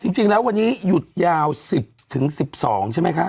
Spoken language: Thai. จริงแล้ววันนี้หยุดยาว๑๐๑๒ใช่ไหมคะ